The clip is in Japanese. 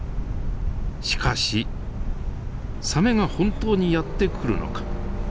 しかしサメが本当にやって来るのか。